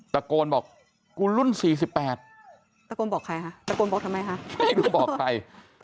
ตะโกนบอกกูรุ่น๔๘ตะโกนบอกใครคะตะโกนบอกทำไมคะไม่รู้บอกใคร